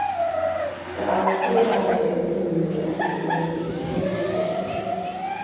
Nchare pe mâ njètne i yi ntèt nkùt wiyi’shi ne nku’njù.